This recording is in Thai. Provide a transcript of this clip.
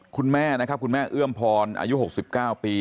คุณแม่นะครับคุณแม่เอื้อมพรอายุ๖๙ปี